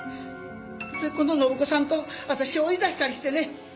それでこの信子さんと私を追い出したりしてね。